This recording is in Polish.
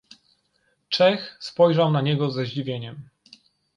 "Czech spojrzał na niego ze zdziwieniem."